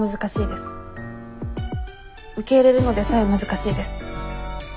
受け入れるのでさえ難しいです。